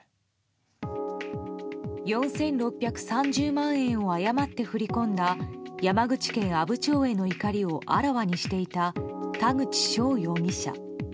４６３０万円を誤って振り込んだ山口県阿武町への怒りをあらわにしていた田口翔容疑者。